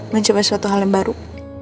mencoba suatu hal yang baru